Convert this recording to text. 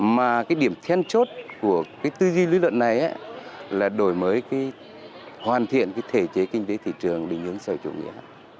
mà cái điểm then chốt của cái tư duy lý luận này là đổi mới hoàn thiện thể chế kinh tế thị trường để nhớ sở chủ nghĩa